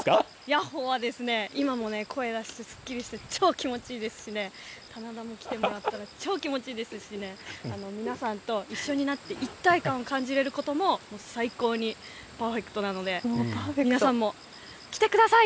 ヤッホーは、今もね、声出してすっきりして超気持ちいいですしね、棚田に来てもらったら、超気持ちいいですしね、皆さんと一緒になって、一体感を感じれることも最高にパーフェクトなので、皆さんも来てください。